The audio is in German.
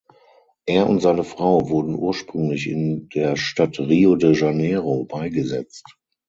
Er und seine Frau wurden ursprünglich in der Stadt Rio de Janeiro beigesetzt.